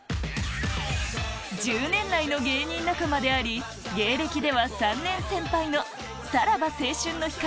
１０年来の芸人仲間であり芸歴では３年先輩の「さらば青春の光」